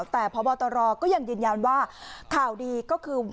แต่พบตรก็ยังยืนยันว่าข่าวดีก็คือ